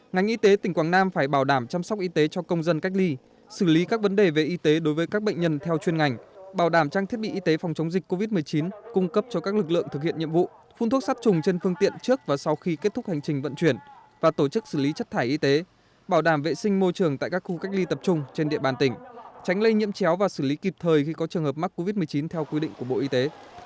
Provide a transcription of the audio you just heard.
ngành y tế tỉnh quảng nam phải bảo đảm chăm sóc y tế cho công dân cách ly xử lý các vấn đề về y tế đối với các bệnh nhân theo chuyên ngành bảo đảm trang thiết bị y tế phòng chống dịch covid một mươi chín cung cấp cho các lực lượng thực hiện nhiệm vụ phun thuốc sát trùng trên phương tiện trước và sau khi kết thúc hành trình vận chuyển và tổ chức xử lý chất thải y tế bảo đảm vệ sinh môi trường tại các khu cách ly tập trung trên địa bàn tỉnh tránh lây nhiễm chéo và xử lý kịp thời khi có trường hợp mắc covid một mươi chín theo quy định của bộ y tế